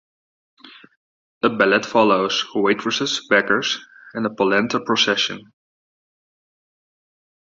A ballet follows: waitresses, beggars, and a polenta procession.